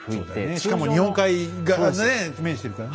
しかも日本海がね面してるからね。